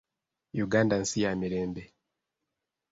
Uganda nsi ya mirembe.